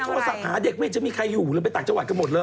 เนี่ยวันนี้โทรศัพท์หาเด็กไม่จะมีใครอยู่เลยไปต่างจังหวัดก็หมดแล้ว